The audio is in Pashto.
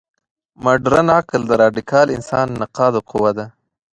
مډرن عقل د راډیکال انسان نقاده قوه ده.